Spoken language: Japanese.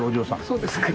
そうですか。